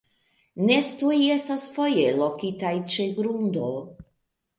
Nestoj estas foje lokitaj ĉe grundo.